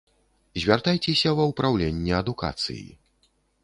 Звяртайцеся ва ўпраўленне адукацыі.